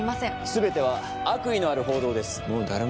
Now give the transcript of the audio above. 全ては悪意のある報道です。